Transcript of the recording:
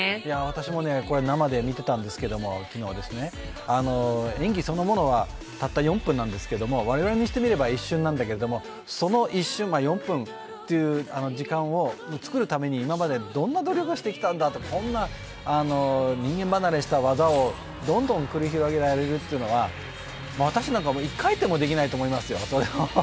昨日、私も生で見てたんですけど演技そのものはたった４分なんですけど我々にしてみれば一瞬なんだけど、その一瞬、４分という時間を作るために今までどんな努力をしてきたんだと、こんな人間離れした技をどんどん繰り広げられるというのは、私なんか１回転もできないと思いますよ。